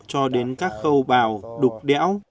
cho đến các khâu bào đục đẽo